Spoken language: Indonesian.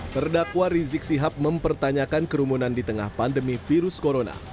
terdakwa rizik sihab mempertanyakan kerumunan di tengah pandemi virus corona